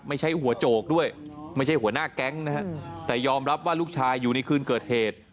ไม่ใช่หัวโจกด้วยไม่ใช่หัวหน้าแก๊งนะฮะแต่ยอมรับว่าลูกชายอยู่ในคืนเกิดเหตุ